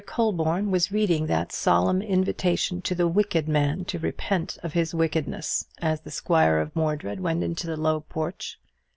Colborne was reading that solemn invitation to the wicked man to repent of his wickedness as the squire of Mordred went into the low porch.